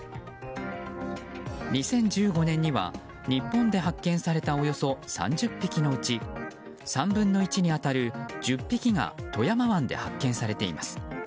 ２０１５年には日本で発見されたおよそ３０匹のうち３分の１に当たる１０匹が富山湾で発見されています。